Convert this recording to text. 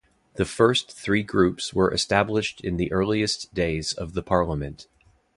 The first three Groups were established in the earliest days of the Parliament.